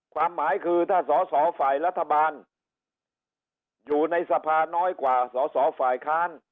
ความหมายคือถ้าสสฝรัฐบาลอยู่ในสภาน้อยกว่าสสฝค